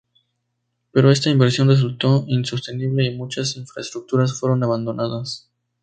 Pero esta inversión resultó insostenible y muchas infraestructuras fueron abandonadas.